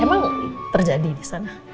emang terjadi di sana